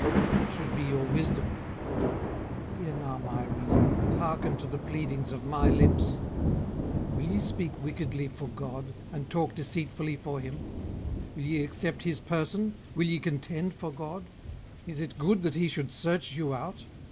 and it should be your wisdom. 18:013:006 Hear now my reasoning, and hearken to the pleadings of my lips. 18:013:007 Will ye speak wickedly for God? and talk deceitfully for him? 18:013:008 Will ye accept his person? will ye contend for God? 18:013:009 Is it good that he should search you out?